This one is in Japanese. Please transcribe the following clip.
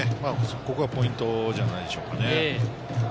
ここがポイントじゃないでしょうか。